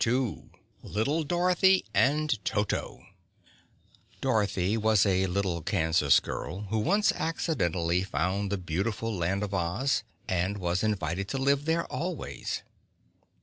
LITTLE DOROTHY AND TOTO Dorothy was a little Kansas girl who once accidentally found the beautiful Land of Oz and was invited to live there always.